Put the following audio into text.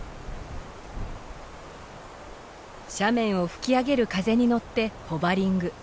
斜面を吹き上げる風に乗ってホバリング。